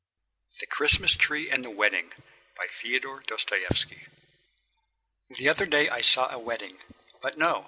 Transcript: THE CHRISTMAS TREE AND THE WEDDING BY FIODOR M. DOSTOYEVSKY The other day I saw a wedding... But no!